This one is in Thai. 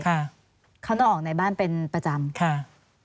เขาต้องออกในบ้านเป็นประจำค่ะ